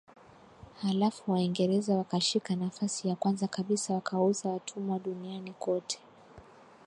halafu Waingereza wakashika nafasi ya kwanza kabisa wakauza watumwa duniani kote